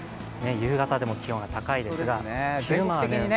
夕方でも気温が高いですが。